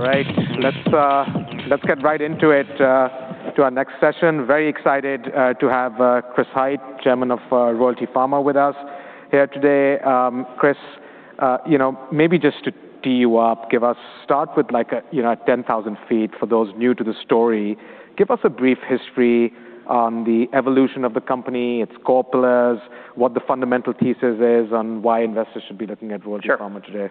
All right, let's get right into it, to our next session. Very excited to have Chris Hite, Chairman of Royalty Pharma, with us here today. Chris, maybe just to tee you up, start with 10,000 feet for those new to the story. Give us a brief history on the evolution of the company, its core pillars, what the fundamental thesis is, and why investors should be looking at Royalty Pharma today. Sure.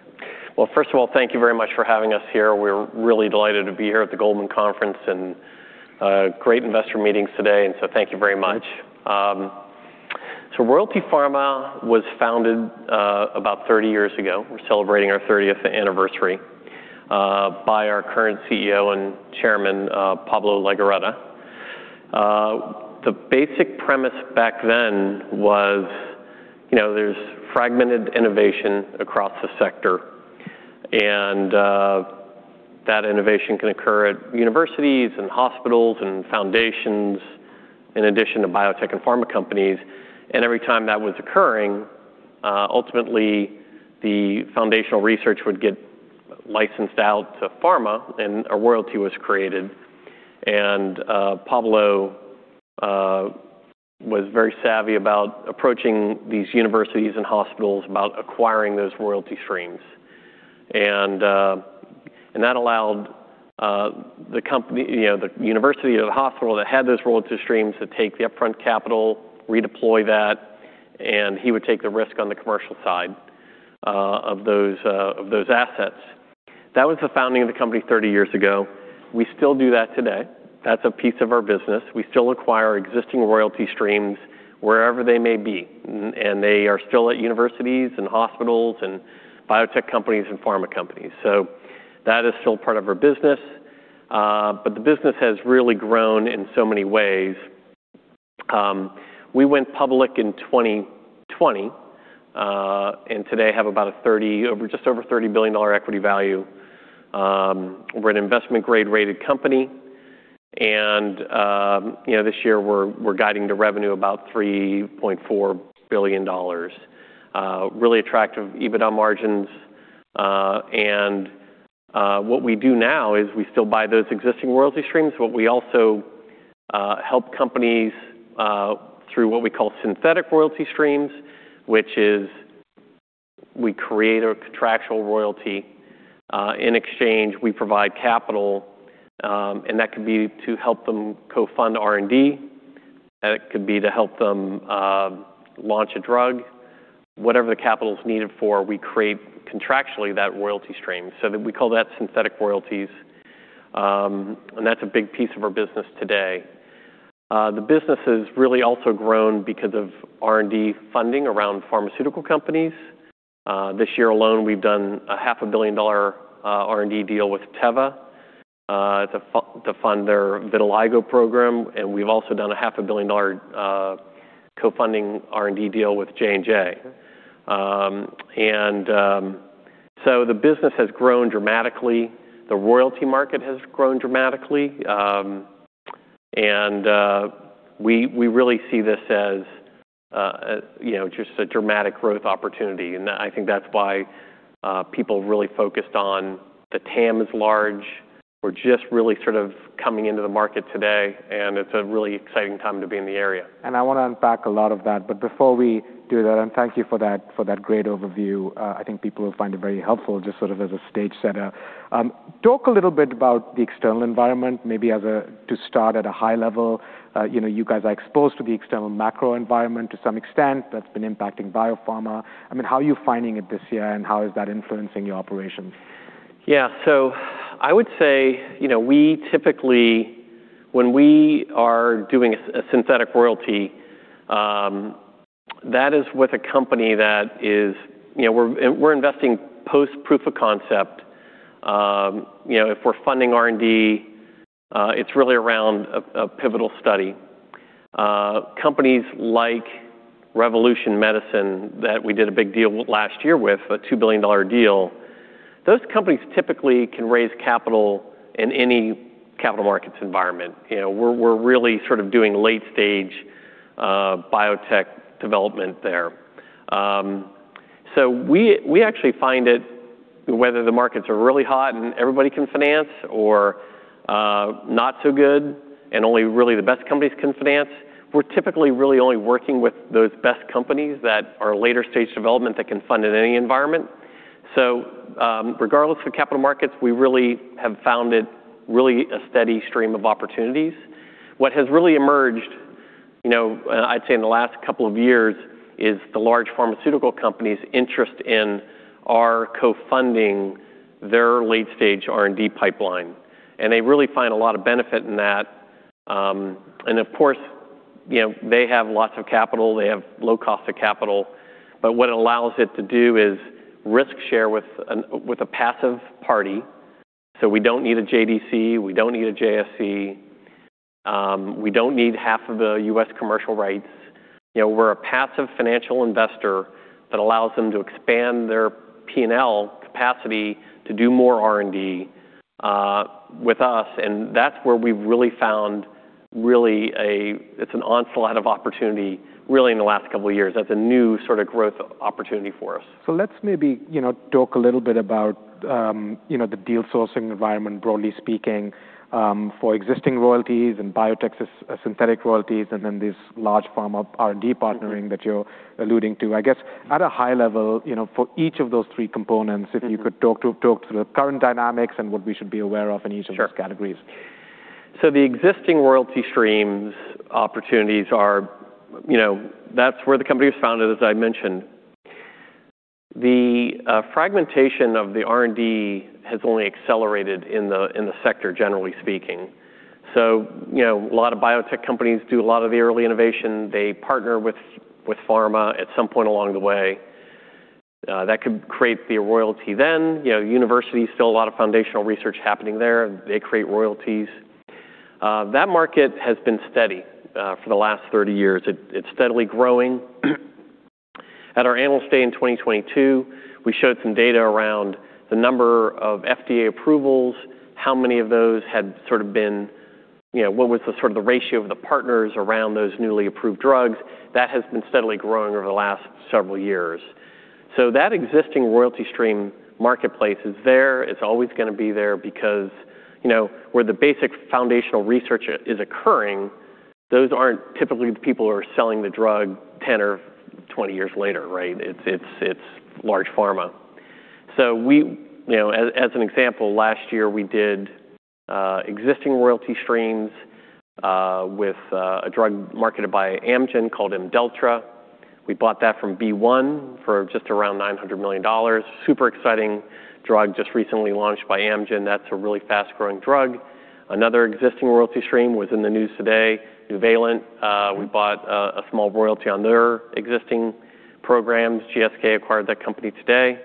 Well, first of all, thank you very much for having us here. We're really delighted to be here at the Goldman conference and great investor meetings today. Thank you very much. Royalty Pharma was founded about 30 years ago, we're celebrating our 30th anniversary, by our current CEO and Chairman, Pablo Legorreta. The basic premise back then was there's fragmented innovation across the sector, and that innovation can occur at universities and hospitals, and foundations in addition to biotech and pharma companies. Every time that was occurring, ultimately the foundational research would get licensed out to pharma, and a royalty was created. Pablo was very savvy about approaching these universities and hospitals about acquiring those royalty streams. That allowed the university or the hospital that had those royalty streams to take the upfront capital, redeploy that, and he would take the risk on the commercial side of those assets. That was the founding of the company 30 years ago. We still do that today. That's a piece of our business. We still acquire existing royalty streams wherever they may be, and they are still at universities and hospitals, and biotech companies and pharma companies. That is still part of our business, but the business has really grown in so many ways. We went public in 2020, today have just over $30 billion equity value. We're an investment grade-rated company. This year, we're guiding to revenue about $3.4 billion. Really attractive EBITDA margins. What we do now is we still buy those existing royalty streams, but we also help companies through what we call synthetic royalty streams, which is we create a contractual royalty. In exchange, we provide capital, and that could be to help them co-fund R&D, and it could be to help them launch a drug. Whatever the capital's needed for, we create contractually that royalty stream, so that we call that synthetic royalties. That's a big piece of our business today. The business has really also grown because of R&D funding around pharmaceutical companies. This year alone, we've done a $0.5 Billion R&D deal with Teva to fund their vitiligo program. We've also done a $0.5 Billion co-funding R&D deal with J&J. Okay. The business has grown dramatically. The royalty market has grown dramatically. We really see this as just a dramatic growth opportunity. I think that's why people really focused on the TAM is large. We're just really sort of coming into the market today. It's a really exciting time to be in the area. I want to unpack a lot of that. Before we do that, thank you for that great overview. I think people will find it very helpful just sort of as a stage-setter. Talk a little bit about the external environment, maybe to start at a high level. You guys are exposed to the external macro environment to some extent that's been impacting biopharma. How are you finding it this year, and how is that influencing your operations? Yeah. I would say, typically when we are doing a synthetic royalty, that is with a company that is We're investing post proof of concept. If we're funding R&D, it's really around a pivotal study. Companies like Revolution Medicines that we did a big deal last year with, a $2 billion deal, those companies typically can raise capital in any capital markets environment. We're really sort of doing late stage biotech development there. We actually find it, whether the markets are really hot and everybody can finance, or not so good and only really the best companies can finance, we're typically really only working with those best companies that are later stage development that can fund in any environment. Regardless of capital markets, we really have found it really a steady stream of opportunities. What has really emerged, I'd say in the last couple of years, is the large pharmaceutical companies' interest in our co-funding their late-stage R&D pipeline, and they really find a lot of benefit in that. Of course, they have lots of capital. They have low cost of capital. What it allows it to do is risk share with a passive party. We don't need a JDC, we don't need a JSC, we don't need half of the U.S. commercial rights. We're a passive financial investor that allows them to expand their P&L capacity to do more R&D with us, and that's where we've really found it's an onslaught of opportunity, really in the last couple of years as a new sort of growth opportunity for us. Let's maybe talk a little bit about the deal sourcing environment, broadly speaking, for existing royalties and biotech's synthetic royalties and then this large pharma R&D partnering that you're alluding to. I guess, at a high level, for each of those three components, if you could talk through the current dynamics and what we should be aware of in each of those categories. Sure. The existing royalty streams opportunities are. That's where the company was founded, as I mentioned. The fragmentation of the R&D has only accelerated in the sector, generally speaking. A lot of biotech companies do a lot of the early innovation. They partner with pharma at some point along the way. That could create the royalty then. Universities, still a lot of foundational research happening there. They create royalties. That market has been steady for the last 30 years. It's steadily growing. At our Analyst Day in 2022, we showed some data around the number of FDA approvals, how many of those had sort of been, what was the sort of the ratio of the partners around those newly approved drugs. That has been steadily growing over the last several years. That existing royalty stream marketplace is there. It's always going to be there because where the basic foundational research is occurring, those aren't typically the people who are selling the drug 10 or 20 years later, right? It's large pharma. As an example, last year we did existing royalty streams with a drug marketed by Amgen called IMDELLTRA. We bought that from BeiGene for just around $900 million. Super exciting drug just recently launched by Amgen. That's a really fast-growing drug. Another existing royalty stream was in the news today, Nuvalent. We bought a small royalty on their existing programs. GSK acquired that company today.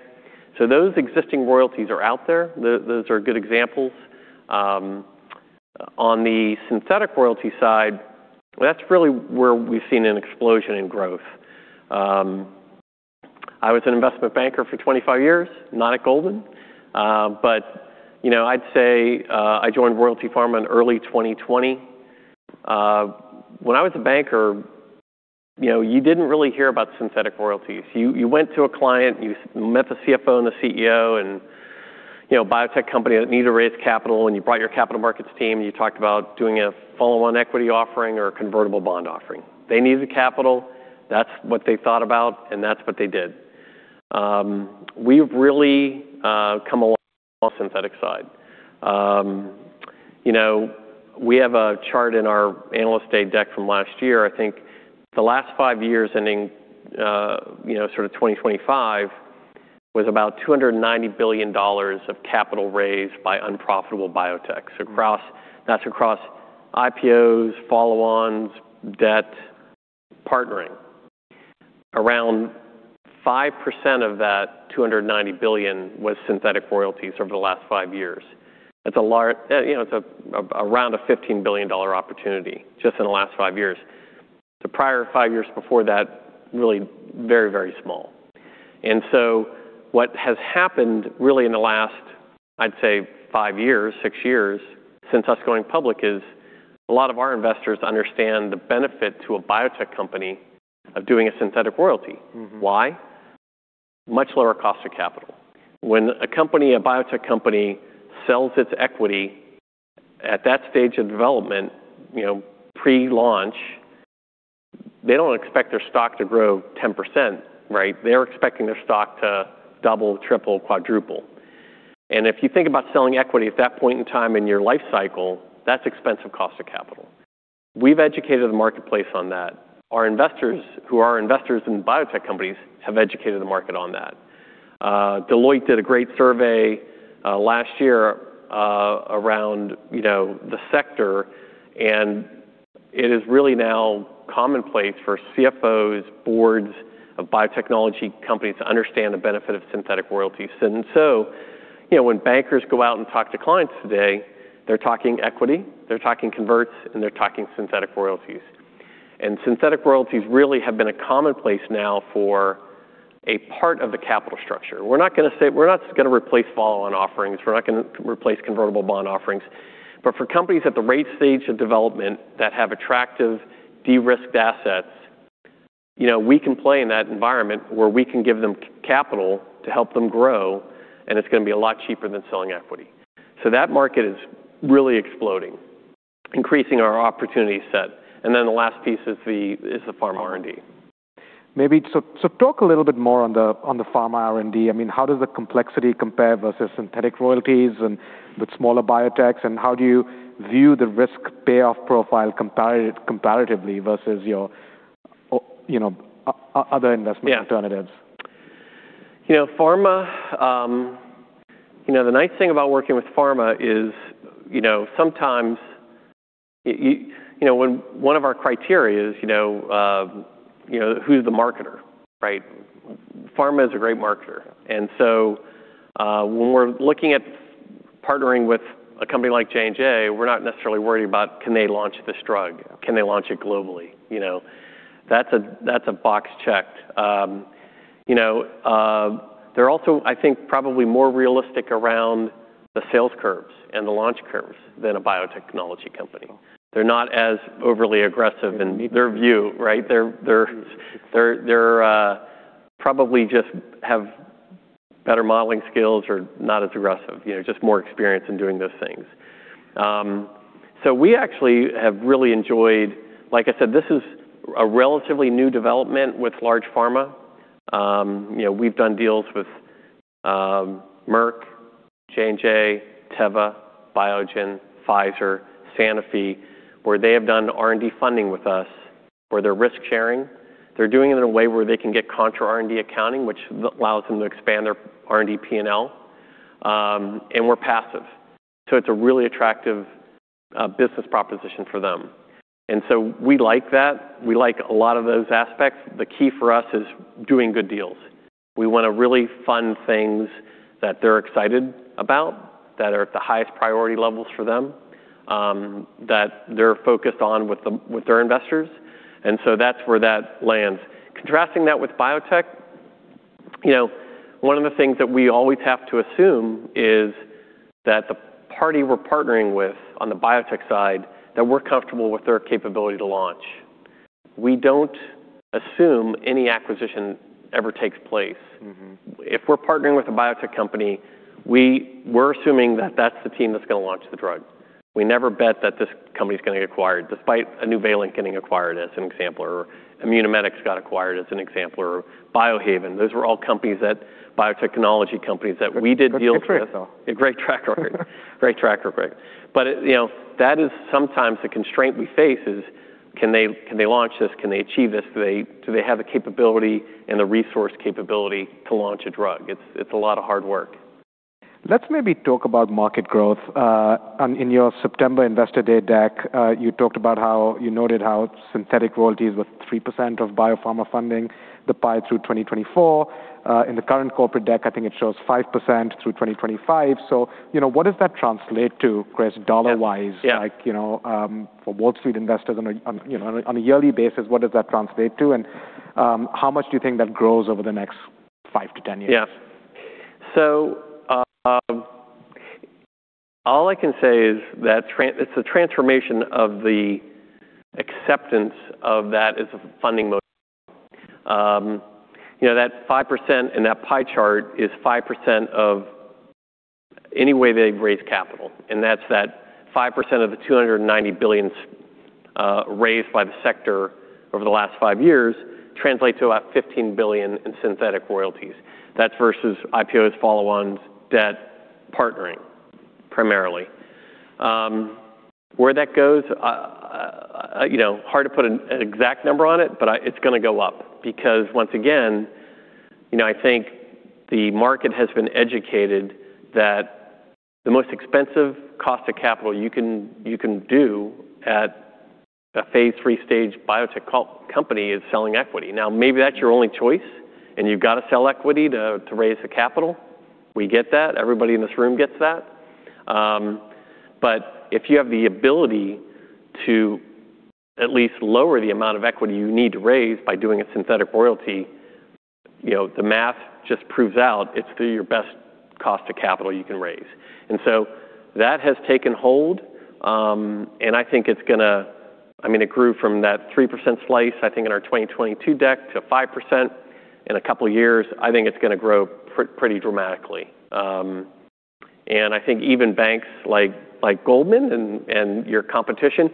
Those existing royalties are out there. Those are good examples. On the synthetic royalty side, that's really where we've seen an explosion in growth. I was an investment banker for 25 years, not at Goldman. I'd say I joined Royalty Pharma in early 2020. When I was a banker, you didn't really hear about synthetic royalties. You went to a client, you met the CFO and the CEO and biotech company that needed to raise capital, and you brought your capital markets team, and you talked about doing a follow-on equity offering or a convertible bond offering. They needed the capital. That's what they thought about, and that's what they did. We've really come along on the synthetic side. We have a chart in our Analyst Day deck from last year. I think the last five years ending sort of 2025 was about $290 billion of capital raised by unprofitable biotechs. That's across IPOs, follow-ons, debt, partnering. Around 5% of that $290 billion was synthetic royalties over the last five years. It's around a $15 billion opportunity just in the last five years. The prior five years before that, really very, very small. What has happened really in the last, I'd say five years, six years since us going public is a lot of our investors understand the benefit to a biotech company of doing a synthetic royalty. Why? Much lower cost of capital. When a biotech company sells its equity at that stage of development, pre-launch, they don't expect their stock to grow 10%, right? They're expecting their stock to double, triple, quadruple. If you think about selling equity at that point in time in your life cycle, that's expensive cost of capital. We've educated the marketplace on that. Our investors who are investors in biotech companies have educated the market on that. Deloitte did a great survey last year around the sector, and it is really now commonplace for CFOs, boards of biotechnology companies to understand the benefit of synthetic royalties. When bankers go out and talk to clients today, they're talking equity, they're talking converts, and they're talking synthetic royalties. Synthetic royalties really have been a commonplace now for a part of the capital structure. We're not going to replace follow-on offerings. We're not going to replace convertible bond offerings. For companies at the rate stage of development that have attractive de-risked assets, we can play in that environment where we can give them capital to help them grow, and it's going to be a lot cheaper than selling equity. That market is really exploding, increasing our opportunity set. The last piece is the pharma R&D. Talk a little bit more on the pharma R&D. How does the complexity compare versus synthetic royalties and with smaller biotechs, and how do you view the risk payoff profile comparatively versus your other investment alternatives? The nice thing about working with pharma is one of our criteria is who's the marketer, right? Pharma is a great marketer. When we're looking at partnering with a company like J&J, we're not necessarily worried about can they launch this drug? Can they launch it globally? That's a box checked. They're also, I think, probably more realistic around the sales curves and the launch curves than a biotechnology company. They're not as overly aggressive in their view, right? They probably just have better modeling skills or not as aggressive, just more experienced in doing those things. We actually have really enjoyed like I said, this is a relatively new development with large pharma. We've done deals with Merck, J&J, Teva, Biogen, Pfizer, Sanofi, where they have done R&D funding with us, where they're risk-sharing. They're doing it in a way where they can get contra R&D accounting, which allows them to expand their R&D P&L, and we're passive. It's a really attractive business proposition for them. We like that. We like a lot of those aspects. The key for us is doing good deals. We want to really fund things that they're excited about, that are at the highest priority levels for them, that they're focused on with their investors, and so that's where that lands. Contrasting that with biotech, one of the things that we always have to assume is that the party we're partnering with on the biotech side, that we're comfortable with their capability to launch. We don't assume any acquisition ever takes place. If we're partnering with a biotech company, we're assuming that that's the team that's going to launch the drug. We never bet that this company's going to get acquired, despite a Nuvalent getting acquired as an example, or Immunomedics got acquired as an example, or Biohaven. Those were all biotechnology companies that we did deals with. Good track record. A great track record. Great track record. That is sometimes the constraint we face is can they launch this? Can they achieve this? Do they have the capability and the resource capability to launch a drug? It's a lot of hard work. Let's maybe talk about market growth. In your September Analyst Day deck, you noted how synthetic royalties were 3% of biopharma funding the pie through 2024. In the current corporate deck, I think it shows 5% through 2025. What does that translate to, Chris, dollar-wise? Yeah. For Wall Street investors on a yearly basis, what does that translate to, and how much do you think that grows over the next 5-10 years? All I can say is that it's a transformation of the acceptance of that as a funding modality. That 5% in that pie chart is 5% of any way they've raised capital, and that's that 5% of the $290 billion raised by the sector over the last five years translates to about $15 billion in synthetic royalties. That's versus IPOs, follow-ons, debt, partnering, primarily. Where that goes, hard to put an exact number on it, but it's going to go up because once again, I think the market has been educated that the most expensive cost of capital you can do at a phase III stage biotech company is selling equity. Maybe that's your only choice and you've got to sell equity to raise the capital. We get that. Everybody in this room gets that. If you have the ability to at least lower the amount of equity you need to raise by doing a synthetic royalty, the math just proves out it's your best cost of capital you can raise. That has taken hold, and I think it's going to. It grew from that 3% slice, I think in our 2022 deck to 5% in a couple of years. I think it's going to grow pretty dramatically. I think even banks like Goldman and your competition,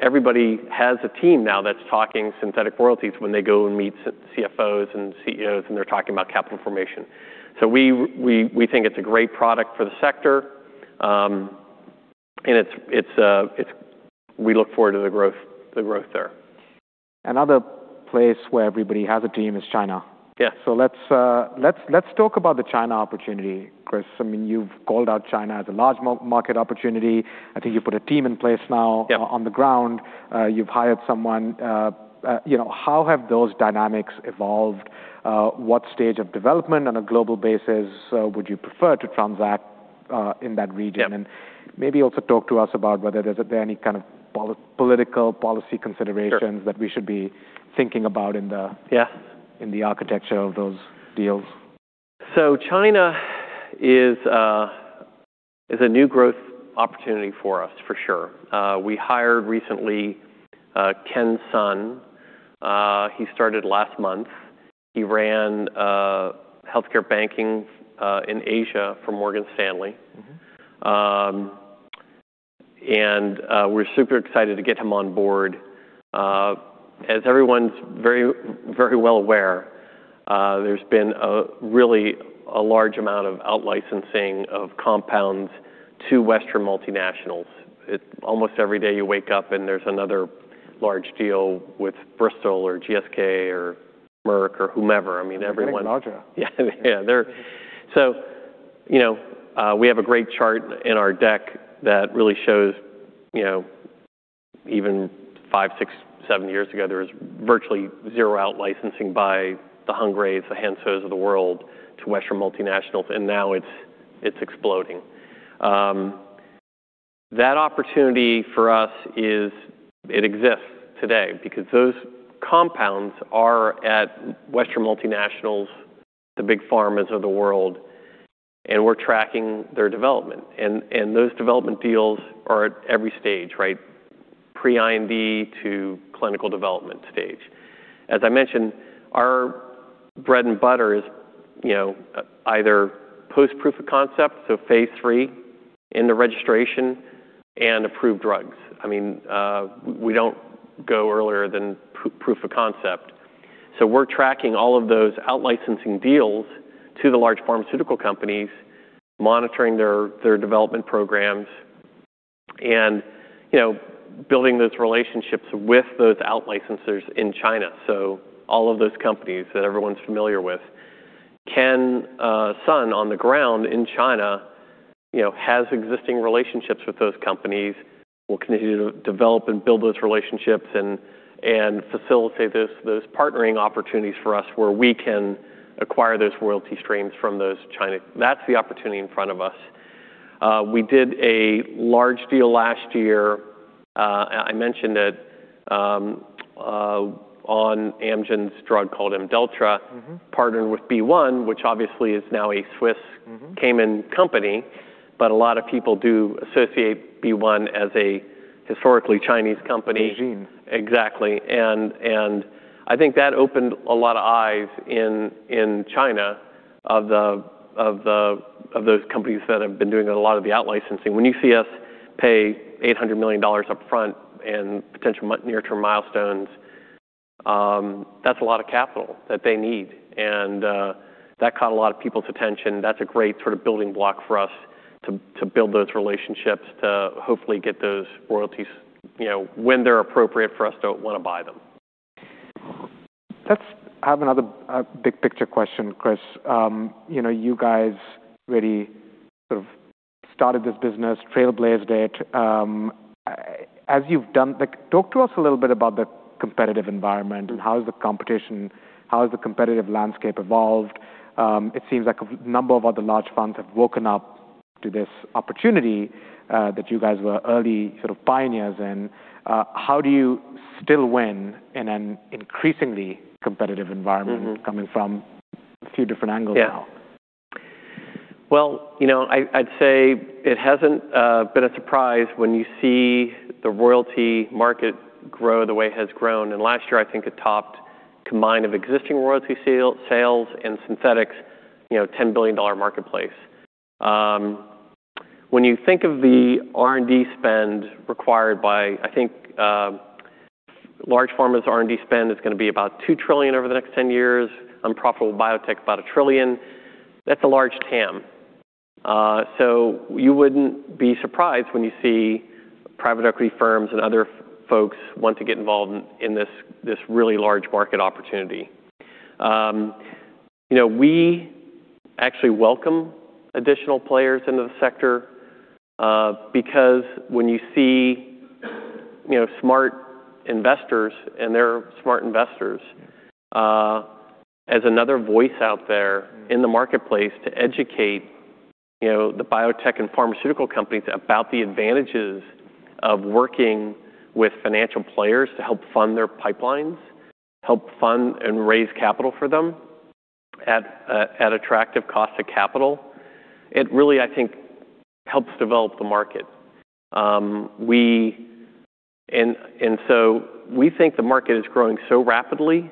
everybody has a team now that's talking synthetic royalties when they go and meet CFOs and CEOs and they're talking about capital formation. We think it's a great product for the sector, and we look forward to the growth there. Another place where everybody has a team is China. Yeah. Let's talk about the China opportunity, Chris. You've called out China as a large market opportunity. I think you've put a team in place now. Yeah on the ground. You've hired someone. How have those dynamics evolved? What stage of development on a global basis would you prefer to transact in that region? Yeah. maybe also talk to us about whether there's any kind of political policy considerations Sure that we should be thinking about in the Yeah in the architecture of those deals. China is a new growth opportunity for us, for sure. We hired recently Kenneth Sun. He started last month. He ran healthcare banking in Asia for Morgan Stanley. We're super excited to get him on board. As everyone's very well aware, there's been a really large amount of out licensing of compounds to Western multinationals. Almost every day you wake up and there's another large deal with Bristol or GSK or Merck or whomever. I mean, everyone. GSK. Yeah. We have a great chart in our deck that really shows even five, six, seven years ago, there was virtually zero out licensing by the Hengrui, the Hansoh of the world to Western multinationals, and now it's exploding. That opportunity for us exists today because those compounds are at Western multinationals, the big pharmas of the world, and we're tracking their development. And those development deals are at every stage, right? Pre-IND to clinical development stage. As I mentioned, our bread and butter is either post proof of concept, so phase III in the registration, and approved drugs. We don't go earlier than proof of concept. We're tracking all of those out-licensing deals to the large pharmaceutical companies, monitoring their development programs, and building those relationships with those out-licensors in China. All of those companies that everyone's familiar with, Ken Sun on the ground in China has existing relationships with those companies. We'll continue to develop and build those relationships and facilitate those partnering opportunities for us where we can acquire those royalty streams from those. That's the opportunity in front of us. We did a large deal last year, I mentioned it, on Amgen's drug called Amgen partnered with BeiGene, which obviously is now a Swiss Cayman company, but a lot of people do associate BeiGene as a historically Chinese company. Regime. Exactly. I think that opened a lot of eyes in China of those companies that have been doing a lot of the out-licensing. When you see us pay $800 million up front and potential near-term milestones, that's a lot of capital that they need, and that caught a lot of people's attention. That's a great sort of building block for us to build those relationships to hopefully get those royalties when they're appropriate for us to want to buy them. Let's have another big picture question, Chris. You guys really sort of started this business, trailblazed it. Talk to us a little bit about the competitive environment and how has the competitive landscape evolved? It seems like a number of other large funds have woken up to this opportunity that you guys were early pioneers in. How do you still win in an increasingly competitive environment coming from a few different angles now? Well, I'd say it hasn't been a surprise when you see the royalty market grow the way it has grown. Last year, I think it topped combined of existing royalty sales and synthetics, a $10 billion marketplace. When you think of the R&D spend, I think large pharma's R&D spend is going to be about $2 trillion over the next 10 years. Unprofitable biotech, about a trillion. That's a large TAM. You wouldn't be surprised when you see private equity firms and other folks want to get involved in this really large market opportunity. We actually welcome additional players into the sector, because when you see smart investors, and there are smart investors, as another voice out there in the marketplace to educate the biotech and pharmaceutical companies about the advantages of working with financial players to help fund their pipelines, help fund and raise capital for them at attractive cost of capital, it really helps develop the market. We think the market is growing so rapidly,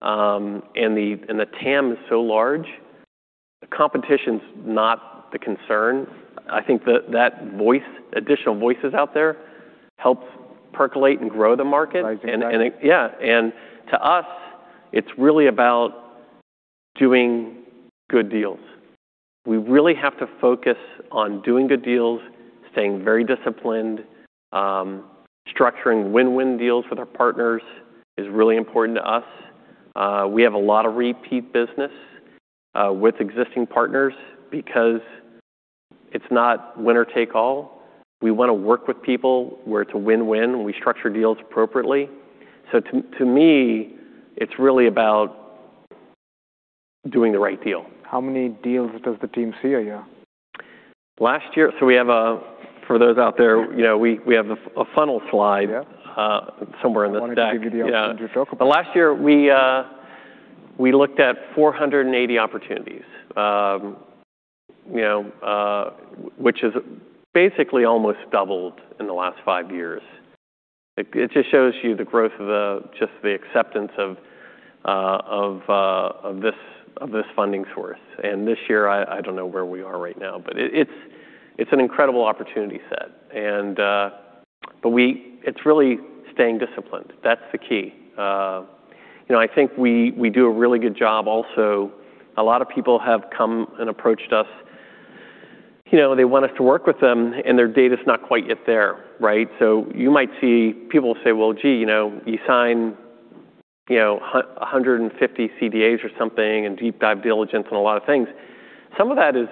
and the TAM is so large, the competition's not the concern. I think that additional voices out there helps percolate and grow the market. I see. To us, it's really about doing good deals. We really have to focus on doing good deals, staying very disciplined. Structuring win-win deals with our partners is really important to us. We have a lot of repeat business with existing partners because it's not winner take all. We want to work with people where it's a win-win. We structure deals appropriately. To me, it's really about doing the right deal. How many deals does the team see a year? For those out there, we have a funnel slide somewhere in the deck. I wanted to give you the opportunity to talk about it. Last year, we looked at 480 opportunities, which has basically almost doubled in the last five years. It just shows you the growth of just the acceptance of this funding source. This year, I don't know where we are right now, but it's an incredible opportunity set. It's really staying disciplined. That's the key. I think we do a really good job also. A lot of people have come and approached us. They want us to work with them, and their data's not quite yet there, right? You might see people say, "Well, gee, you sign 150 CDAs or something and deep dive diligence on a lot of things." Some of that is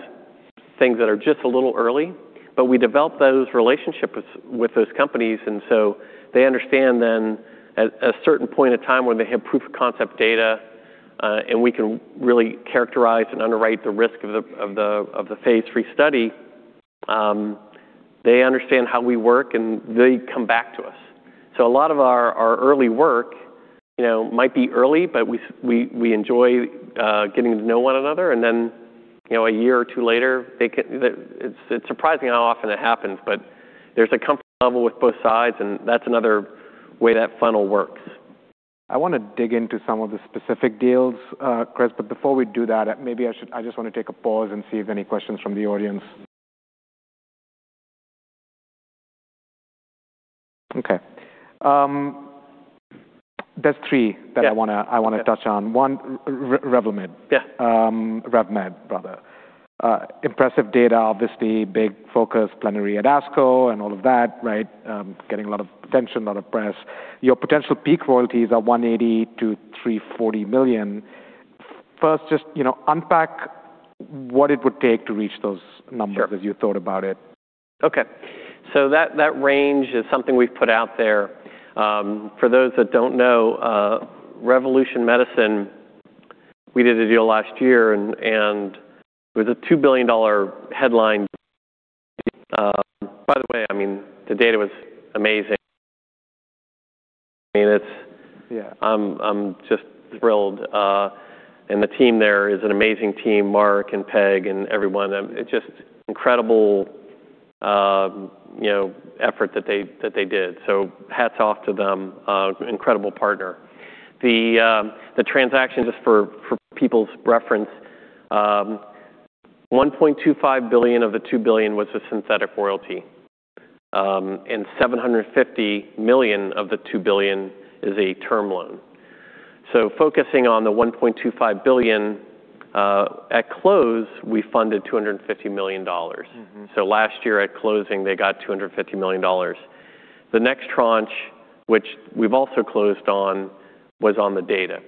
things that are just a little early, but we develop those relationships with those companies, and so they understand then at a certain point in time when they have proof of concept data. We can really characterize and underwrite the risk of the phase III study. They understand how we work, and they come back to us. A lot of our early work might be early, but we enjoy getting to know one another, and then a year or two later, it's surprising how often it happens, but there's a comfort level with both sides, and that's another way that funnel works. I want to dig into some of the specific deals, Chris, but before we do that, maybe I just want to take a pause and see if any questions from the audience. Okay. There's three that I want to touch on. One, Revmed. Yeah. Revmed, rather. Impressive data, obviously big focus plenary at ASCO and all of that, right? Getting a lot of attention, a lot of press. Your potential peak royalties are $180 million-$340 million. First, just unpack what it would take to reach those numbers- Sure as you thought about it. Okay. That range is something we've put out there. For those that don't know, Revolution Medicines, we did a deal last year, and it was a $2 billion headline. By the way, I mean, the data was amazing. I mean, it's- Yeah I'm just thrilled. The team there is an amazing team, Mark and Peg and everyone. It's just incredible effort that they did. Hats off to them, incredible partner. The transaction, just for people's reference, $1.25 billion of the $2 billion was a synthetic royalty. $750 million of the $2 billion is a term loan. Focusing on the $1.25 billion, at close, we funded $250 million. Last year at closing, they got $250 million. The next tranche, which we've also closed on, was on the data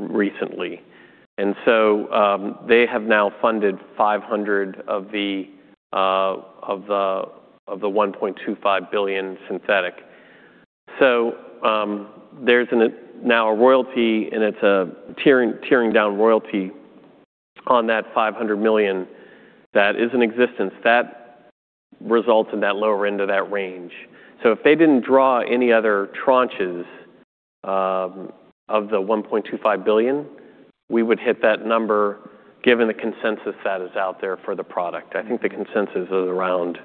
recently. They have now funded $500 of the $1.25 billion synthetic. There's now a royalty, and it's a tiering down royalty on that $500 million that is in existence. That results in that lower end of that range. If they didn't draw any other tranches of the $1.25 billion, we would hit that number given the consensus that is out there for the product. I think the consensus is around,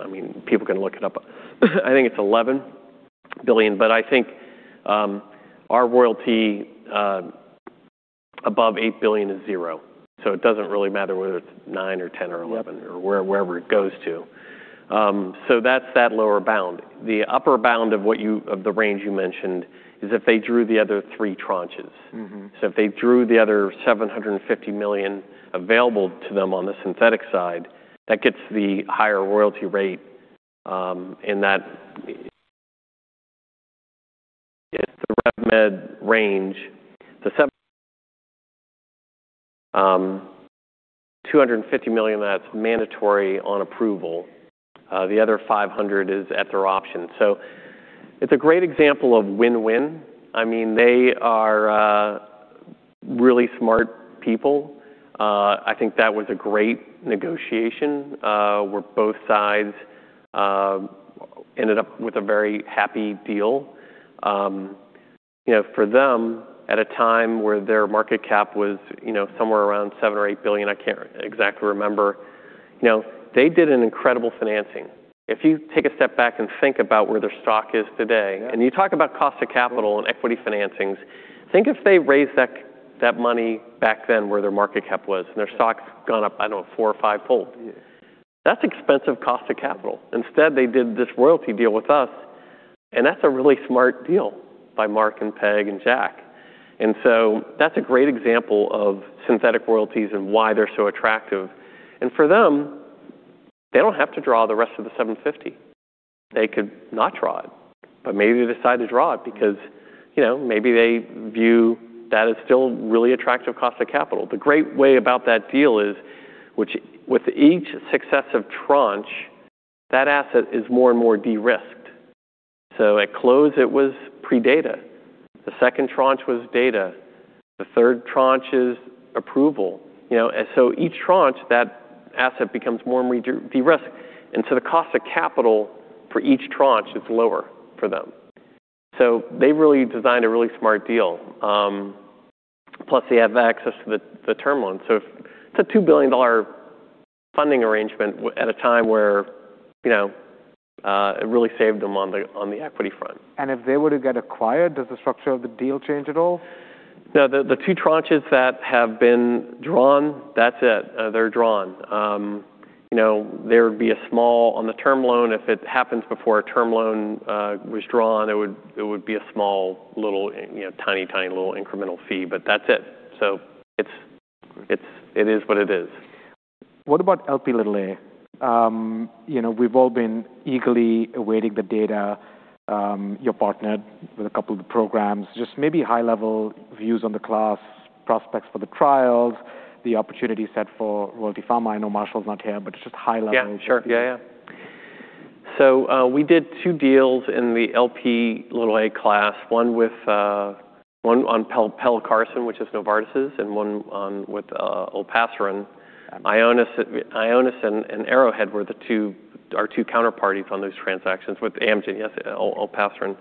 I mean, people can look it up, I think it's $11 billion, but I think our royalty above $8 billion is zero, so it doesn't really matter whether it's nine or 10 or 11. Yep Wherever it goes to. That's that lower bound. The upper bound of the range you mentioned is if they drew the other three tranches. If they drew the other $750 million available to them on the synthetic side, that gets the higher royalty rate, and that is the Revmed range. The $250 million, that's mandatory on approval. The other $500 is at their option. It's a great example of win-win. I mean, they are really smart people. I think that was a great negotiation, where both sides ended up with a very happy deal. For them, at a time where their market cap was somewhere around $7 billion or$8 billion, I can't exactly remember, they did an incredible financing. If you take a step back and think about where their stock is today, and you talk about cost of capital and equity financings, think if they raised that money back then where their market cap was, and their stock's gone up, I don't know, four or fivefold. Yeah. That's expensive cost of capital. Instead, they did this royalty deal with us, and that's a really smart deal by Mark and Peg and Jack. That's a great example of synthetic royalties and why they're so attractive. For them, they don't have to draw the rest of the $750. They could not draw it, but maybe they decide to draw it because maybe they view that as still really attractive cost of capital. The great way about that deal is with each successive tranche, that asset is more and more de-risked. At close, it was pre-data. The second tranche was data. The third tranche is approval. Each tranche, that asset becomes more and more de-risked. The cost of capital for each tranche, it's lower for them. They really designed a really smart deal. Plus, they have access to the term loan. It's a $2 billion funding arrangement at a time where it really saved them on the equity front. If they were to get acquired, does the structure of the deal change at all? No. The two tranches that have been drawn, that's it. They're drawn. There would be a small on the term loan, if it happens before a term loan was drawn, it would be a small little tiny little incremental fee, but that's it. It is what it is. What about Lp? We've all been eagerly awaiting the data. You're partnered with a couple of the programs, just maybe high-level views on the class prospects for the trials, the opportunity set for Royalty Pharma. I know Marshall's not here, but just high level. Yeah, sure. We did two deals in the Lp(a) class, one on pelacarsen, which is Novartis' and one with olpasiran. Ionis and Arrowhead were our two counterparties on those transactions with Amgen. Yes, olpasiran.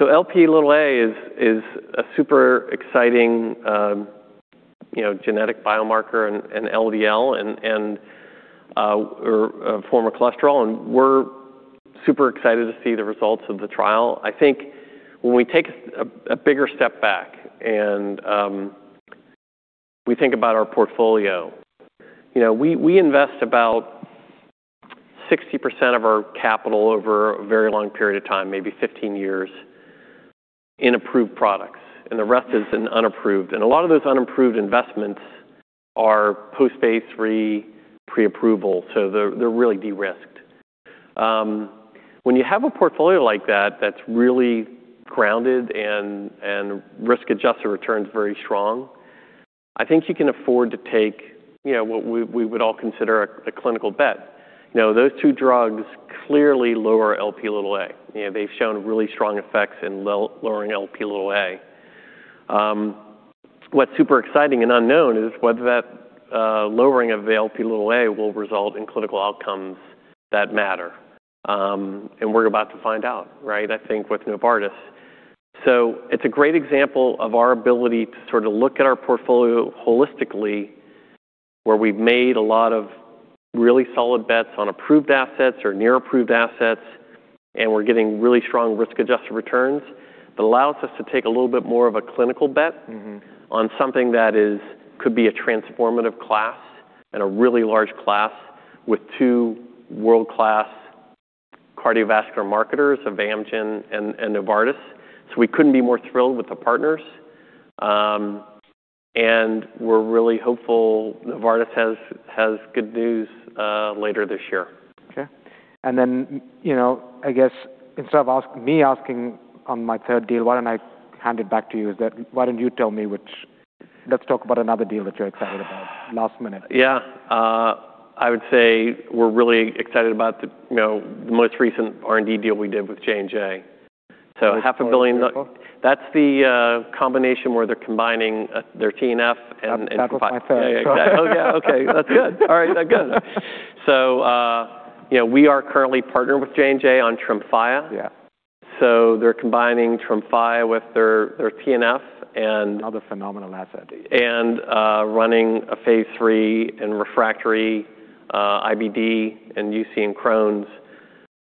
Lp(a) is a super exciting genetic biomarker and LDL and a form of cholesterol, and we're super excited to see the results of the trial. I think when we take a bigger step back and we think about our portfolio, we invest about 60% of our capital over a very long period of time, maybe 15 years, in approved products, and the rest is in unapproved. A lot of those unapproved investments are post-phase III pre-approval, so they're really de-risked. When you have a portfolio like that that's really grounded and risk-adjusted return's very strong, I think you can afford to take what we would all consider a clinical bet. Those two drugs clearly lower Lp(a). They've shown really strong effects in lowering Lp(a). What's super exciting and unknown is whether that lowering of the Lp(a) will result in clinical outcomes that matter, and we're about to find out, I think, with Novartis. It's a great example of our ability to look at our portfolio holistically, where we've made a lot of really solid bets on approved assets or near approved assets, and we're getting really strong risk-adjusted returns. It allows us to take a little bit more of a clinical bet- on something that could be a transformative class and a really large class with two world-class cardiovascular marketers of Amgen and Novartis. We couldn't be more thrilled with the partners, and we're really hopeful Novartis has good news later this year. Okay. I guess instead of me asking on my third deal, why don't I hand it back to you? Why don't you tell me which. Let's talk about another deal that you're excited about. Last minute. I would say we're really excited about the most recent R&D deal we did with J&J. 0.5 Billion- That's the combination where they're combining their TNF and- That was my third. Yeah, exactly. Oh, yeah. Okay. That's good. All right. Good. We are currently partnered with J&J on TREMFYA. Yeah. They're combining TREMFYA with their TNF and- Another phenomenal asset Running a phase III in refractory IBD and UC and Crohn's.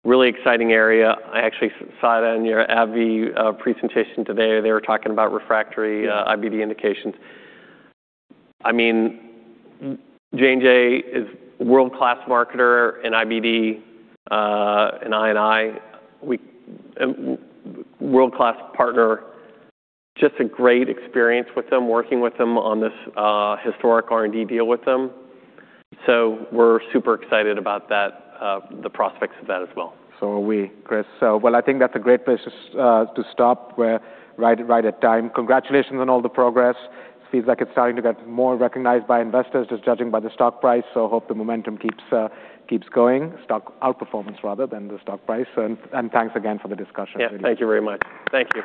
Really exciting area. I actually saw that in your AbbVie presentation today. They were talking about refractory IBD indications. J&J is world-class marketer in IBD and I&I. World-class partner. Just a great experience with them, working with them on this historic R&D deal with them. We're super excited about the prospects of that as well. Are we, Chris. Well, I think that's a great place to stop. We're right at time. Congratulations on all the progress. Seems like it's starting to get more recognized by investors, just judging by the stock price. Hope the momentum keeps going. Stock outperformance rather than the stock price. Thanks again for the discussion. Yeah. Thank you very much. Thank you.